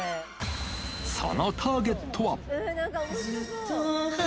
そのターゲットは！